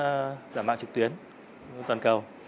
phòng chống giả mạng trực tuyến toàn cầu